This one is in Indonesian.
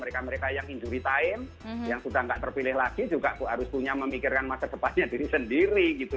mereka mereka yang injury time yang sudah tidak terpilih lagi juga harus punya memikirkan masa depannya diri sendiri gitu